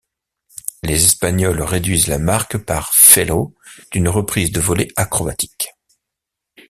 Les espagnols réduisent la marque par Felo d'une reprise de volée acrobatique.